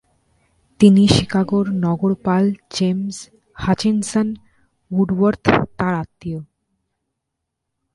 তিনি শিকাগোর নগরপাল জেমস হাচিনসন উডওয়ার্থ তার আত্মীয়।